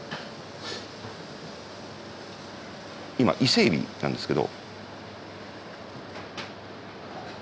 今伊勢海老なんですけど。